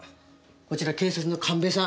こちら警察のカンベさん。